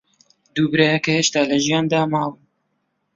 دوو برایەکە هێشتا لە ژیاندا ماون.